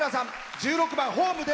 １６番「ホームで」